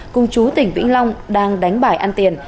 cùng chú tỉnh vĩnh long đang đánh bài ăn tiền